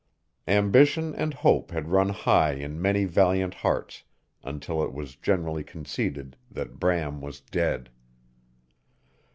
Ambition and hope had run high in many valiant hearts until it was generally conceded that Bram was dead.